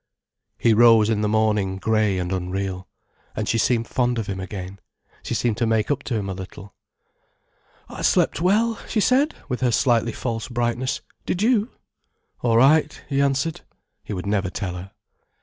He rose in the morning grey and unreal. And she seemed fond of him again, she seemed to make up to him a little. "I slept well," she said, with her slightly false brightness. "Did you?" "All right," he answered. He would never tell her.